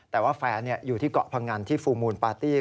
แต่ว่าแฟนอยู่ที่เกาะพงันที่ฟูลมูลปาร์ตี้